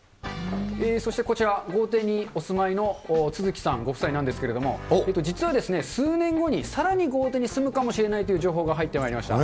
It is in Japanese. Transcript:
そして、こちら、豪邸にお住まいの續さんご夫妻なんですけれども、実は数年後にさらに豪邸に住むかもしれないという情報が入ってまいりました。